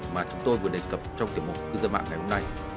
mà chúng tôi vừa đề cập trong tiểu mục cư dân mạng ngày hôm nay